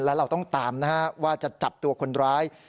แล้วเราต้องตามนะฮะว่าจะจับตัวคนร้าย